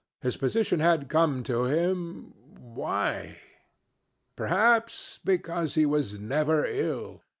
His position had come to him why? Perhaps because he was never ill